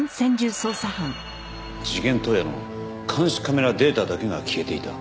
事件当夜の監視カメラデータだけが消えていた？